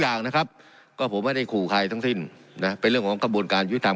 อย่างนะครับก็ผมไม่ได้ขู่ใครทั้งสิ้นนะเป็นเรื่องของกระบวนการยุทธรรม